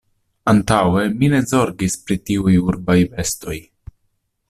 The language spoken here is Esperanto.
Antaŭe, mi ne zorgis pri tiuj urbaj bestoj...